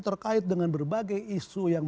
terkait dengan berbagai isu yang